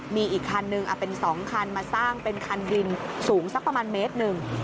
มีอีกคันนึงเป็น๒คันมาสร้างเป็นคันดินสูงสักประมาณเมตรหนึ่ง